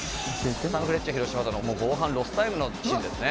サンフレッチェ広島との後半ロスタイムのシーンですね。